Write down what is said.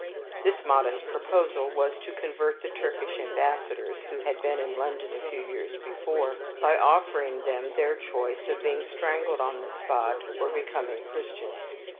This modest proposal was, to convert the Turkish ambassadors (who had been in London a few years before), by offering them their choice of being strangled on the spot, or becoming Christians.